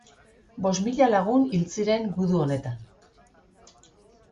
Bost mila lagun hil ziren gudu honetan.